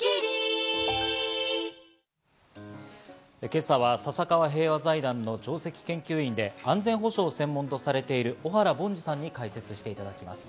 今朝は笹川平和財団の上席研究員で安全保障を専門とされている小原凡司さんに解説していただきます。